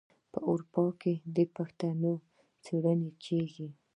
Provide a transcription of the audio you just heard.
په اروپا کې د پښتو څیړنې کیږي.